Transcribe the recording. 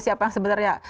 siapa yang sebenarnya